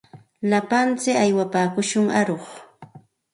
Lapantsik aywapaakushun aruq.